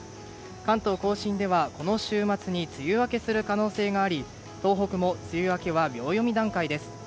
関東・甲信ではこの週末に梅雨明けする可能性があり東北も梅雨明けは秒読み段階です。